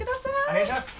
お願いします！